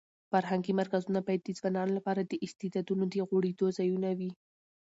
فرهنګي مرکزونه باید د ځوانانو لپاره د استعدادونو د غوړېدو ځایونه وي.